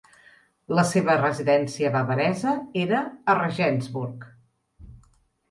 La seva residència bavaresa era a Regensburg.